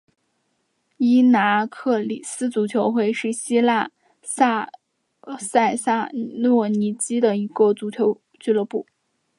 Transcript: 伊拿克里斯足球会是希腊塞萨洛尼基的一个足球俱乐部。